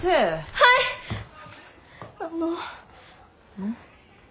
うん？